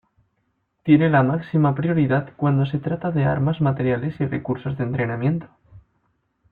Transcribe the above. Tiene la máxima prioridad cuando se trata de armas, materiales y recursos de entrenamiento.